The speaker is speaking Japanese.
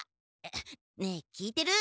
ねえ聞いてる？